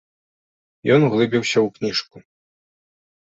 Ён углыбіўся ў кніжку.